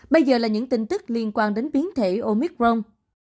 bây giờ là những tin tức liên quan đến biến thể omicron